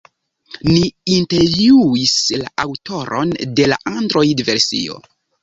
Ni intervjuis la aŭtoron de la Android-versio.